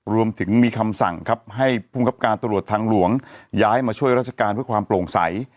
รวมถึงมีคำสั่งครับให้ภูมิกับการตรวจทางหลวงย้ายมาช่วยราชการเพื่อความโปร่งใส